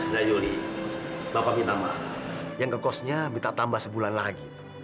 nah juli bapak minta maaf yang kekosnya minta tambah sebulan lagi